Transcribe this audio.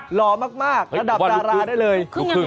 หล่อมากระดับดาราได้เลย